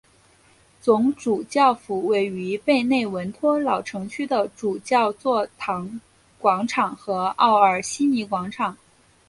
总主教府位于贝内文托老城区的主教座堂广场和奥尔西尼广场。